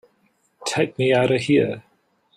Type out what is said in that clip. Take me out of here!